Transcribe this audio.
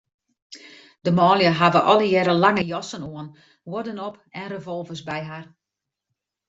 De manlju hawwe allegearre lange jassen oan, huodden op en revolvers by har.